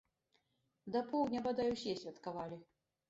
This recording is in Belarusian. Да поўдня бадай усе святкавалі.